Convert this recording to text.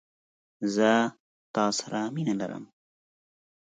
زه ستا سره مينه لرم.